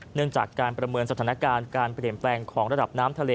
เนื่องจากการประเมินสถานการณ์การเปลี่ยนแปลงของระดับน้ำทะเล